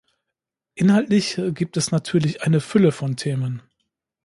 Inhaltlich gibt es natürlich eine Fülle von Themen.